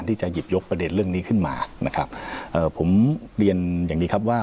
ที่จะหยิบยกประเด็นเรื่องนี้ขึ้นมานะครับเอ่อผมเรียนอย่างนี้ครับว่า